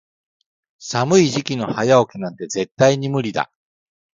寒い時期の早起きなんて絶対に無理だ。